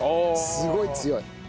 すごい強い。